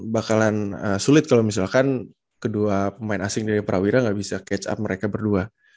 bakalan sulit kalau misalkan kedua pemain asing dari prawira nggak bisa catch up mereka berdua